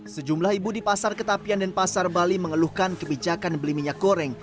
sejumlah ibu di pasar ketapian dan pasar bali mengeluhkan kebijakan beli minyak goreng